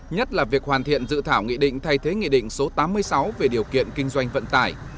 nhất là việc hoàn thiện dự thảo nghị định thay thế nghị định số tám mươi sáu về điều kiện kinh doanh vận tải